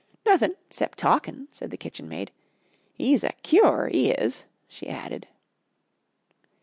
"Nothin' 'cept talkin'," said the kitchenmaid. "'E's a cure, 'e is," she added.